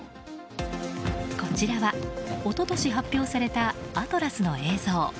こちらは、一昨年発表されたアトラスの映像。